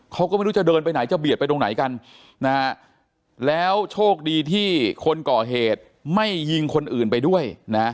เขาก็ไม่รู้จะเดินไปไหนจะเบียดไปตรงไหนกันนะฮะแล้วโชคดีที่คนก่อเหตุไม่ยิงคนอื่นไปด้วยนะ